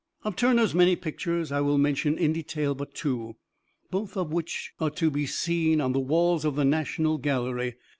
Of Turner's many pictures I will mention in detail but two, both of which are to be seen on the walls of the National Gallery.